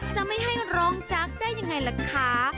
จะไม่ให้ร้องจักรได้ยังไงล่ะคะ